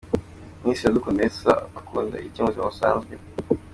Miss Iradukunda Elsa akunda iki mu buzika busanzwe?.